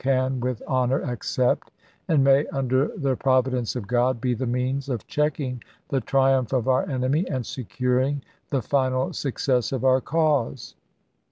can with honor accept, and may, under the provi dence of God, be the means of checking the triumph of our enemy and securing the final success of our cause."